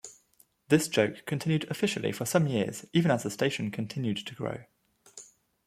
This joke continued officially for some years even as the station continued to grow.